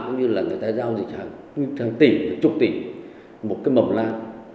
giống như là người ta giao dịch hàng tỉ chục tỉ một cái mầm lan